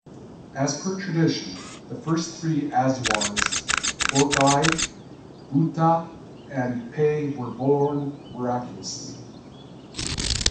As per tradition, the first three "azhwars", Poigai, Bhutha and Pey were born miraculously.